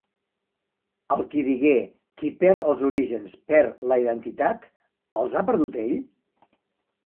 El qui digué: "Qui perd els orígens perd la identitat", els ha perdut ell?